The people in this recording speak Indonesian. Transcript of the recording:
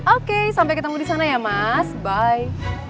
oke sampai ketemu di sana ya mas by